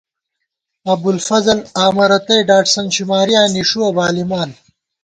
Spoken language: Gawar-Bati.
ابُوالفضل آمہ رتئ، ڈاٹسن شمارِیاں نِݭُوَہ بالِمان